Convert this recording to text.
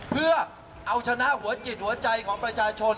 เพื่อเอาชนะหัวจิตหัวใจของประชาชน